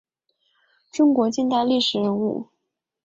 中国近代政治人物。